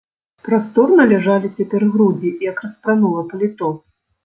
Прасторна ляжалі цяпер грудзі, як распранула паліто.